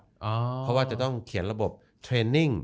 เพราะว่าจะต้องเขียนระบบเทรนนิ่ง